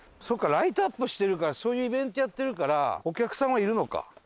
そうかライトアップしてるからそういうイベントやってるからお客さんはいるのか。